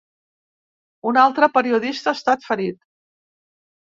Un altre periodista ha estat ferit.